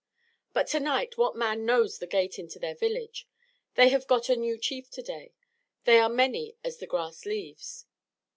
"But to night what man knows the gate into their village? They have got a new chief to day. They are many as the grass leaves.